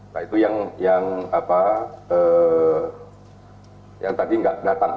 nah itu yang tadi nggak datang